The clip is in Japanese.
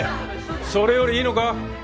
それよりいいのか？